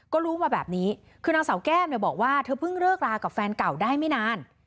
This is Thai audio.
ก็รู้มาแบบนี้คือนางสาวแก้มเนี่ยบอกว่าเธอเพิ่งเลิกรากับแฟนเก่าได้ไม่นาน